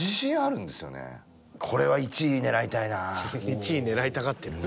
［１位狙いたがってる］